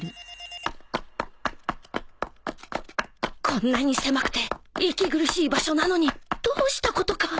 こんなに狭くて息苦しい場所なのにどうしたことか